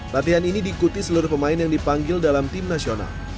latihan ini diikuti seluruh pemain yang dipanggil dalam tim nasional